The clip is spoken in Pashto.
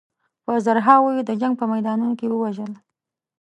په زرهاوو یې د جنګ په میدانونو کې ووژل.